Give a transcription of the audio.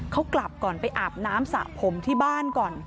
เขากลับก่อนไปอาบน้ำสระผมที่บ้านก่อน